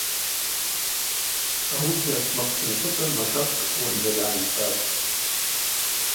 Ауыгьи артмакъ цынхъвыта машаквкӏ ауандыр йгӏаницӏатӏ.